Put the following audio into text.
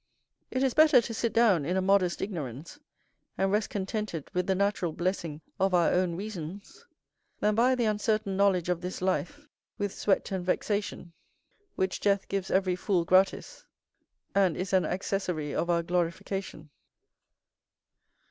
It is better to sit down in a modest ignorance, and rest contented with the natural blessing of our own reasons, than by the uncertain knowledge of this life with sweat and vexation, which death gives every fool gratis, and is an accessary of our glorification.